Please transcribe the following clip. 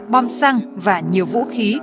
bom xăng và nhiều vũ khí